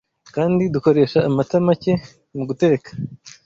kandi dukoresha amata make mu guteka